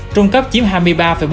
trung cấp chiếm hai mươi ba bốn mươi năm